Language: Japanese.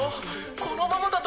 このままだと。